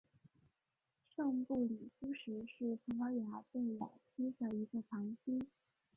圣布里苏什是葡萄牙贝雅区的一个堂区。